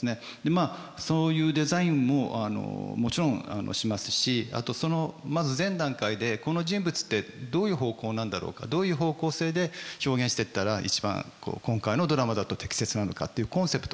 まあそういうデザインももちろんしますしまず前段階でこの人物ってどういう方向なんだろうかどういう方向性で表現してったら一番今回のドラマだと適切なのかっていうコンセプトですよね